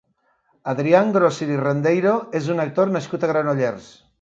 Adrian Grösser i Randeiro és un actor nascut a Granollers.